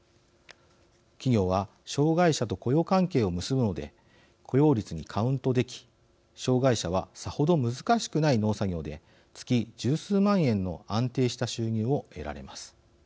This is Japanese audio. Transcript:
企業は障害者と雇用関係を結ぶので雇用率にカウントでき障害者はさほど難しくない農作業で月１０数万円の安定した収入を得られます。